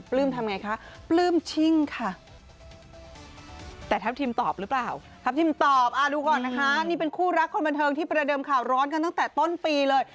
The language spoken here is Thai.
ทำไงคะปลื้มชิ่งค่ะแต่ทัพทิมตอบหรือเปล่าทัพทิมตอบดูก่อนนะคะนี่เป็นคู่รักคนบันเทิงที่ประเดิมข่าวร้อนกันตั้งแต่ต้นปีเลย